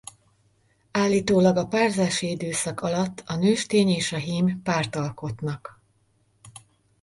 Állítólag a párzási időszak alatt a nőstény és a hím párt alkotnak.